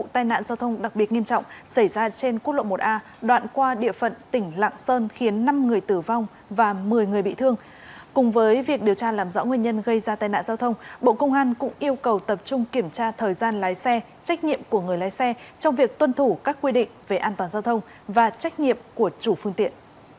trong điều tra làm rõ nguyên nhân gây ra tai nạn giao thông bộ công an cũng yêu cầu tập trung kiểm tra thời gian lái xe trách nhiệm của người lái xe trong việc tuân thủ các quy định về an toàn giao thông và trách nhiệm của chủ phương tiện